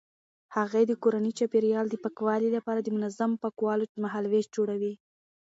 هغې د کورني چاپیریال د پاکوالي لپاره د منظمو پاکولو مهالویش جوړوي.